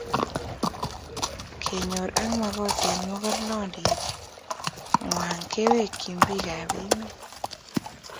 kenyor ak makoset makornandit nguay kewekchi pik ap emet